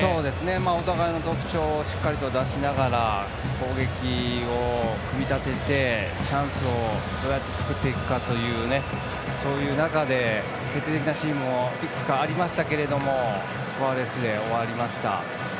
お互いの特徴をしっかりと出しながら攻撃を組み立ててチャンスをどうやって作っていくかとそういう中で決定的なシーンもいくつかありましたけれどもスコアレスで終わりました。